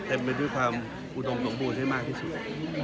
ไปด้วยความอุดมสมบูรณ์ให้มากที่สุด